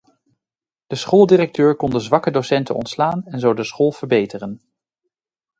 De schooldirecteur kon de zwakke docenten ontslaan en zo de school verbeteren.